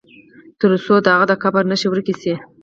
تر څو د هغه د قبر نښي ورکي سي.